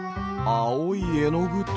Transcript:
あおいえのぐと。